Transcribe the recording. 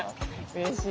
うれしい。